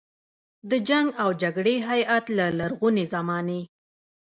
د جنګ او جګړې هیت له لرغونې زمانې.